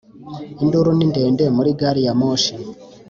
Induru ni ndende muri gari ya moshi